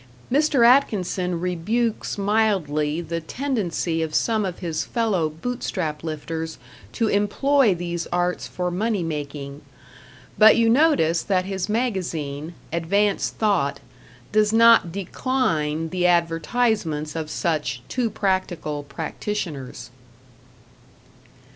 Mr. Atkinson rebukes mildly the tendency of some of his fellow Bootstrap lifters to employ these arts for money making; but you notice that his magazine, "Advanced Thought", does not decline the advertisements of such too practical practitioners.